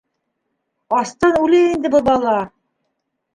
Астан үлә инде был бала!